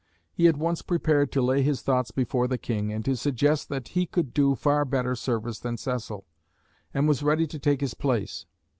He at once prepared to lay his thoughts before the King, and to suggest that he could do far better service than Cecil, and was ready to take his place.